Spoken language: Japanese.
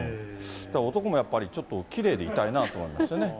男もやっぱり、ちょっときれいでいたいなと思いますよね。